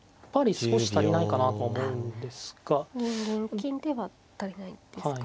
金では足りないんですか。